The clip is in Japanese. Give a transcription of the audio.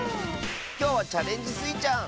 きょうは「チャレンジスイちゃん」！